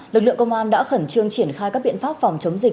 lực lượng công an đã khẩn trương triển khai các biện pháp phòng chống dịch